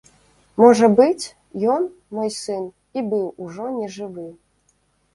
Можа быць, ён, мой сын, і быў ужо нежывы.